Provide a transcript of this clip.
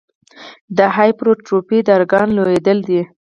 د هایپرټروفي د ارګان لویېدل دي.